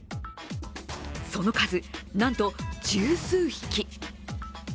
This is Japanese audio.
その数、なんと十数匹。